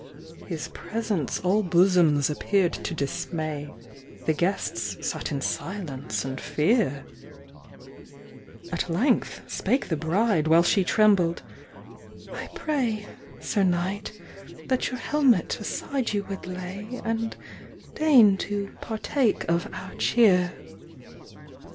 His presence all bosoms appeared to dismay, The guests sat in silence and fear; At length spake the bride, while she trembled, "I pray, Sir Knight, that your helmet aside you would lay, And deign to partake of our cheer."